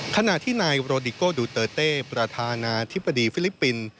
ขณะที่นายโรดิโกดูเตอร์เต้ประธานาธิบดีฟิลิปปินส์